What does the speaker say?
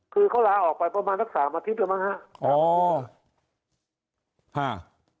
คือเขาร้าออกไปประมาณสักสามอาทิตย์หรือเปล่าฮะอ๋อฮ่า